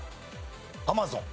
アマゾン。